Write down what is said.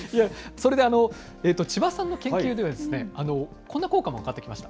それで、千葉さんの研究では、こんな効果も分かってきました。